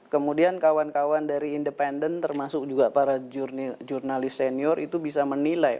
kemudian kawan kawan dari independen termasuk juga para jurnalis senior itu bisa menilai